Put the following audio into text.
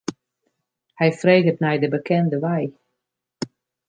Hy freget nei de bekende wei.